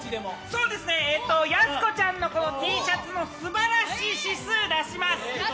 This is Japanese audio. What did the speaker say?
そうですね、やす子ちゃんのＴシャツもすばらしい指数出します。